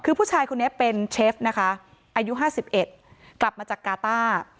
คือผู้ชายคนนี้เป็นเชฟนะคะอายุ๕๑กลับมาจากกาต้า